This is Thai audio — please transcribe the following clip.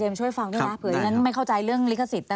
เปื่อยังไงสิว่าไม่เข้าใจเรื่องลิขสิทธิ์